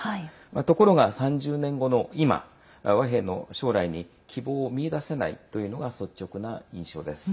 ところが３０年後の今和平の将来に希望を見出せないというのが率直な印象です。